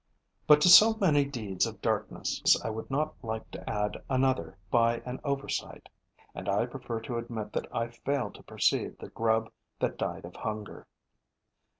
But to so many deeds of darkness I would not like to add another by an oversight; and I prefer to admit that I failed to perceive the grub that died of hunger.